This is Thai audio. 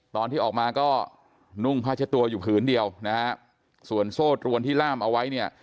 ตอนที่ออกมาก็นุ่งผ้าเช็ดตัวอยู่ผืนเดียวนะฮะส่วนโซ่ตรวนที่ล่ามเอาไว้เนี่ย